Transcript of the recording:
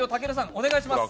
お願いします。